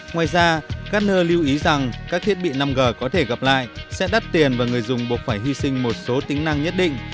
ngoài ra gartner lưu ý rằng các thiết bị năm g có thể gặp lại sẽ đắt tiền và người dùng buộc phải hy sinh một số tính năng nhất định